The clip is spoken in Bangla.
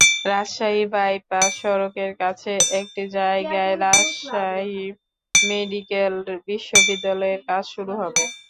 রাজশাহী বাইপাস সড়কের কাছে একটি জায়গায় রাজশাহী মেডিকেল বিশ্ববিদ্যালয়ের কাজ শুরু হবে।